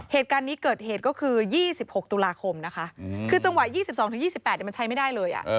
เหตุการณ์นี้เกิดเหตุก็คือ๒๖ตุลาคมนะคะคือจังหวะ๒๒๒๘มันใช้ไม่ได้เลย